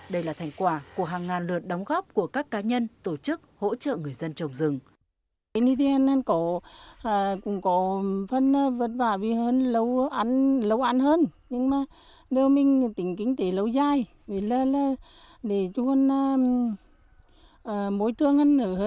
đây là thành quả của hàng ngàn lượt đóng góp của các cá nhân tổ chức hỗ trợ người dân trồng rừng